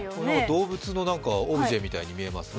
動物のオブジェみたいに見えますね。